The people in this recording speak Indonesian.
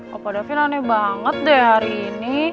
bapak davin aneh banget deh hari ini